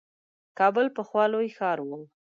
کابل پخوا لوی ښار وو.